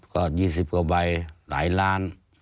ก็๒๐กว่าใบหลายล้าน